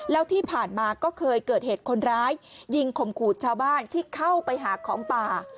แล้วที่ผ่านมาก็เคยเกิดเหตุคนร้ายยิงข่มขู่ชาวบ้านที่เข้าไปหาของป่า